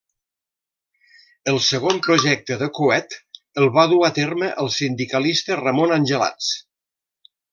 El segon projecte de coet el va dur a terme el sindicalista Ramon Angelats.